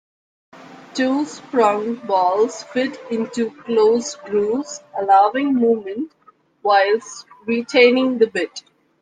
Two sprung balls fit into closed grooves, allowing movement whilst retaining the bit.